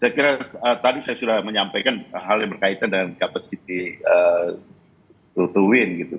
saya kira tadi saya sudah menyampaikan hal yang berkaitan dengan capacity rute win gitu